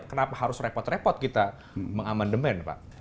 kenapa harus repot repot kita mengamandemen pak